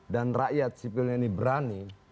dan rakyat sipil ini berani